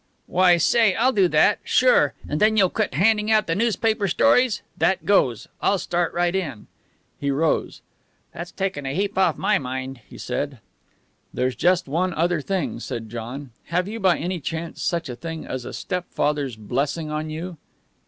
"Why, say, I'll do that. Sure. And then you'll quit handing out the newspaper stories? That goes. I'll start right in." He rose. "That's taken a heap off my mind," he said. "There's just one other thing," said John. "Have you by any chance such a thing as a stepfather's blessing on you?"